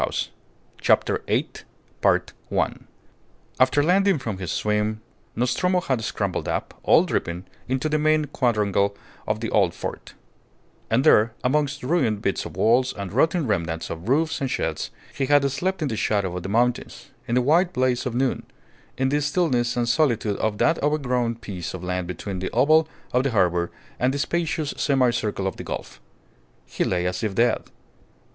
CHAPTER EIGHT After landing from his swim Nostromo had scrambled up, all dripping, into the main quadrangle of the old fort; and there, amongst ruined bits of walls and rotting remnants of roofs and sheds, he had slept the day through. He had slept in the shadow of the mountains, in the white blaze of noon, in the stillness and solitude of that overgrown piece of land between the oval of the harbour and the spacious semi circle of the gulf. He lay as if dead.